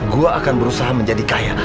gue akan berusaha menjadi kaya